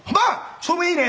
照明いいね？